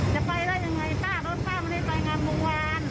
จะไปแล้วยังไงป้ารถป้ามันได้ไปงานบงวาร